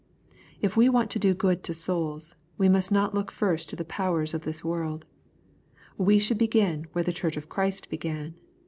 If we want to do good to souls, we must not look first to the powers of this world. We should begin where the Chorch of Christ began.